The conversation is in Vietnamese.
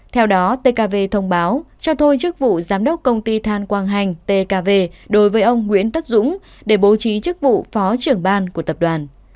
theo đó tkv thông báo cho thôi chức vụ giám đốc công ty than quang hành tkv đối với ông nguyễn tất dũng để bố trí chức vụ phó trưởng ban của tập đoàn